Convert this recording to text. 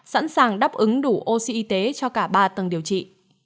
sẵn sàng đáp ứng đủ oxy y tế cho cả ba tầng điều trị